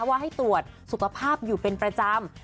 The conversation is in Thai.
ว่าให้ตรวจสุขภาพอยู่เป็นประจำ